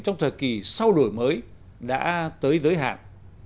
trong thời kỳ sau đổi mới đã tới giới hạn